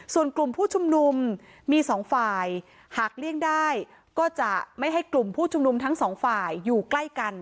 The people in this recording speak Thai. ส่วนกลุ่มผู้ชุมนุมมีสองฝ่ายหากเลี่ยงได้ก็จะไม่ให้กลุ่มผู้ชุมนุมทั้งสองฝ่ายอยู่ใกล้กัน